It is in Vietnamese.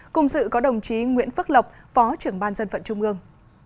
cùng dự có đồng chí nguyễn phước lộc phó trưởng ban dân vận trung ương